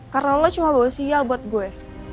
karena lo cuma bawa sial buat gue